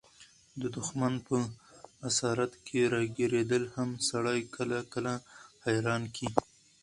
د دښمن په اسارت کښي راګیرېدل هم سړى کله – کله حيران کي.